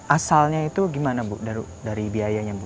asalnya itu gimana bu dari biayanya bu